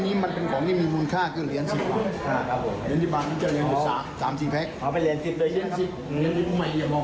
แต่ถ้าเป็นของชำรวยเหมือนปัวกุญแจค่ะ